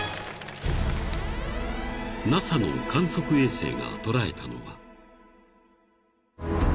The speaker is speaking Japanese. ［ＮＡＳＡの観測衛星が捉えたのは］